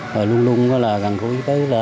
và luôn luôn gần gũi tới